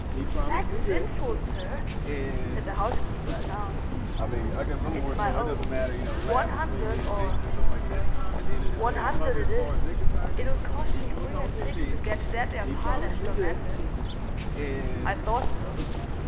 "That's sinful, sir," said the housekeeper, alarmed. "It's my own. One hundred or——" "One hundred it is. It'll cost me three and six to get that there pilaster mended." "I thought so.